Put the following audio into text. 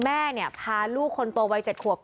แม่พาลูกคนโตวัย๗ขวบ